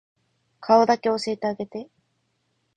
顔だけ教えてあげて